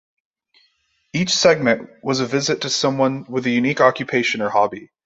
Each segment was a visit to someone with a unique occupation or hobby.